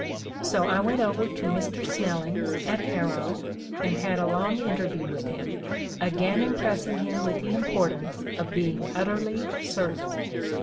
So I went over to Mr. Snelling's at Harrow and had a long interview with him, again impressing him with the importance of being utterly certain.